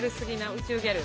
宇宙ギャル。